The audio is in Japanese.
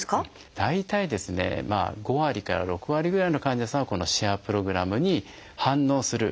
大体ですね５割から６割ぐらいの患者さんはこのシェアプログラムに反応する。